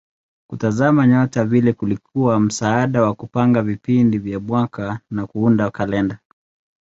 Kutazama nyota vile kulikuwa msaada wa kupanga vipindi vya mwaka na kuunda kalenda.